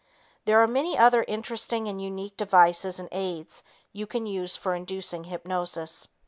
There are many other interesting and unique devices and aids you can use for inducing hypnosis.